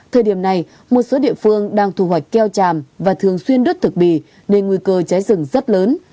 thời điểm này một số địa phương đang thu hoạch keo tràm và thường xuyên đứt thực bì nên nguy cơ cháy rừng rất lớn